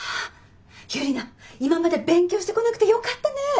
ユリナ今まで勉強してこなくてよかったね。